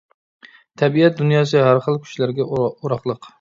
تەبىئەت دۇنياسى ھەر خىل كۈچلەرگە ئوراقلىق.